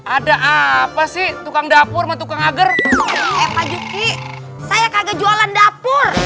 ada apa sih tukang dapur tukang agar saya kagak jualan dapur